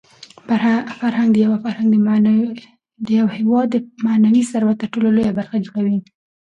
فرهنګ د یو هېواد د معنوي ثروت تر ټولو لویه برخه جوړوي.